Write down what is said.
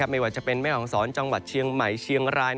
ไม่ว่าจะเป็นแม่ห้องศรจังหวัดเชียงใหม่เชียงราย